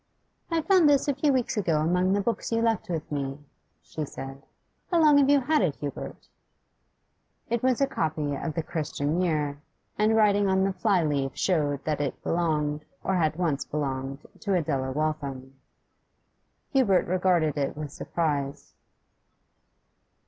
'I found this a few weeks ago among the books you left with me,' she said. 'How long have you had it, Hubert?' It was a copy of the 'Christian Year,' and writing on the fly leaf showed that it belonged, or had once belonged, to Adela Waltham. Hubert regarded it with surprise.